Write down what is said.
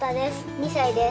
２歳です。